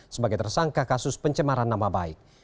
sebagai tersangka kasus pencemaran nama baik